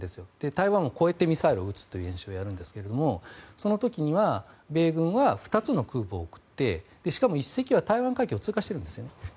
台湾を越えてミサイルを撃つという演習をやるんですがその時に米軍は２つの空母を送ってしかも１隻は台湾海峡を通過しているんです。